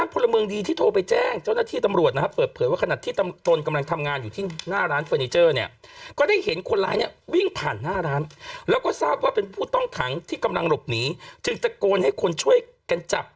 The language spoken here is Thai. ก็ได้เห็นคนร้ายเนี่ยวิ่งผ่านหน้าร้านแหละก็เศรษฐ์ว่าเป็นคุณต้องถังที่กำลังหลบหนีจึงจะโกนให้คนช่วยกันจับ